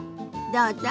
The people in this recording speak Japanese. どうぞ。